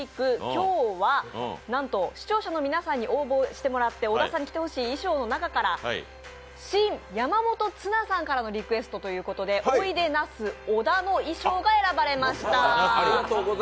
今日はなんと、視聴者の皆さんに応募をしてもらって、小田さんに着てほしい衣装の中からシン・山本ツナさんからのリクエストということで、おいでナス小田の衣装が選ばれました。